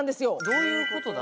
どういうことだ？